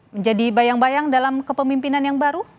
menjadi bayang bayang dalam kepemimpinan yang baru